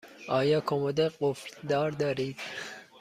آیا کمد قفل دار دارید؟